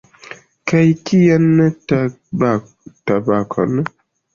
Kaj kian tabakon?